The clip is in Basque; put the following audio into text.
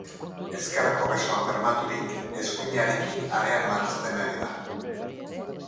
Ezkerreko besoan bermaturik, eskuinarekin harean marrazten ari da.